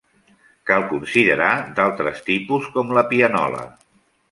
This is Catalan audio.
Cal considerar d'altres tipus, com la pianola.